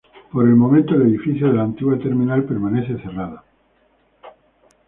Por el momento el edificio de la antigua terminal permanece cerrada.